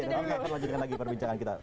kita lanjutkan lagi perbincangan kita